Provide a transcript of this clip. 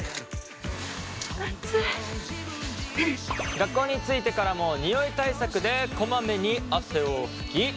学校に着いてからもニオイ対策でこまめに汗を拭き